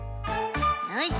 よし。